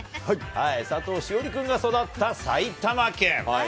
佐藤栞里君が育った埼玉県。